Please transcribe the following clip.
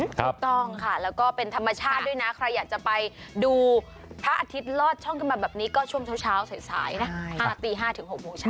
ถูกต้องค่ะแล้วก็เป็นธรรมชาติด้วยนะใครอยากจะไปดูพระอาทิตย์ลอดช่องขึ้นมาแบบนี้ก็ช่วงเช้าสายนะ๕ตี๕ถึง๖โมงเช้า